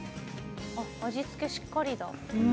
味付けがしっかりだ。